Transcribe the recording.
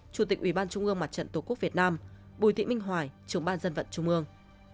chủ tịch ủy ban trung ương mặt trận tổ quốc việt nam bùi thị minh hoài trưởng ban dân vận trung ương